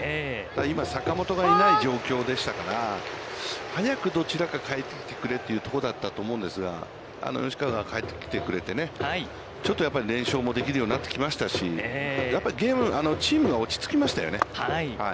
今坂本がいない状況でしたから、早くどちらか帰ってきてくれというところだったと思うんですが、吉川が帰ってきてくれてね、ちょっとやっぱり連勝もできるようになってきましたし、やっぱりチームが落ちつきましたよね。